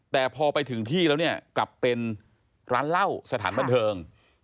แต่พอไปถึงที่แล้วเนี่ยกลับเป็นร้านเหล้าสถานบันเทิง